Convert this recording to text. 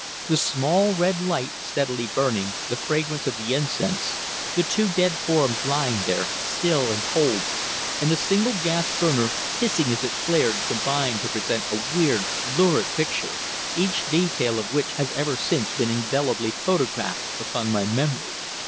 The small red light steadily burning, the fragrance of the incense, the two dead forms lying there, still and cold, and the single gas burner, hissing as it flared, combined to present a weird, lurid picture, each detail of which has ever since been indelibly photographed upon my memory.